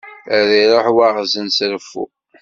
Ad iruḥ waɣzen s reffu.